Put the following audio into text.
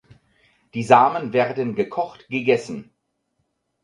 Die Samen werden gekocht gegessen.